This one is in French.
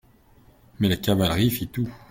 Mais la cavalerie fit tout.